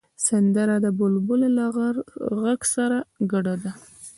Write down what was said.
سندره د بلبله له غږ سره ګډه ده